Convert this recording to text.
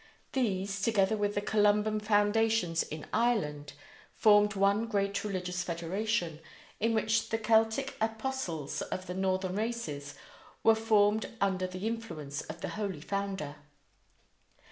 These, together with the Columban foundations in Ireland, formed one great religious federation, in which the Celtic apostles of the northern races were formed under the influence of the holy founder.